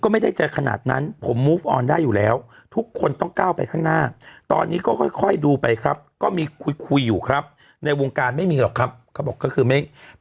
ก็ไม่ใจแต่ขนาดนั้นผมมุกออกได้อยู่แล้วทุกคนต้องก้าวไปข้างหน้าตอนนี้ก็ค่อยดูไปครับก็มีคุยอยู่ครับในวงการไม่มีหรอกเขาบอกก็คือไม่ได้คุยกับสาวในวงการ